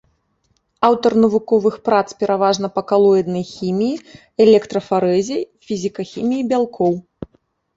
Аўтар навуковых прац пераважна па калоіднай хіміі, электрафарэзе, фізікахіміі бялкоў.